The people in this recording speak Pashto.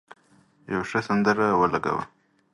یو ښه سندره ولګوه.